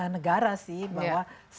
negara sih bahwa